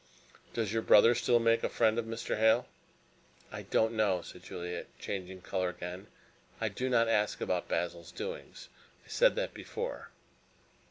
"Does your brother Basil still make a friend of Mr. Hale?" "I don't know," said Juliet, changing color again. "I do not ask about Basil's doings. I said that before.